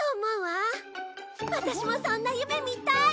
ワタシもそんな夢見たい！